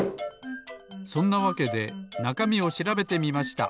そんなわけでなかみをしらべてみました。